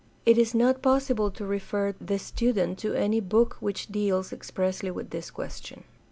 It is not possible to refer the student to any book which deals expressly with this question.